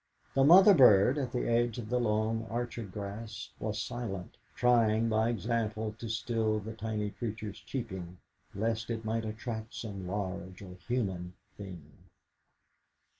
The mother bird, at the edge of the long orchard grass, was silent, trying by example to still the tiny creature's cheeping, lest it might attract some large or human thing.